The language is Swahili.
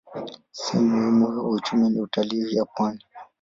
Sehemu muhimu wa uchumi ni utalii ya pwani.